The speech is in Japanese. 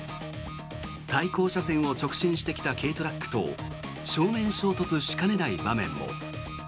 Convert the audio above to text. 対向車線を直進してきた軽トラックと正面衝突しかねない場面も。